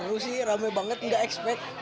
aduh sih rame banget nggak expect